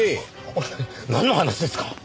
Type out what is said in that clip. なんの話ですか？